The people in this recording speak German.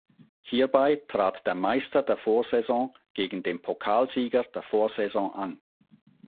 Hierbei trat der Meister der Vorsaison gegen den Pokalsieger der Vorsaison an.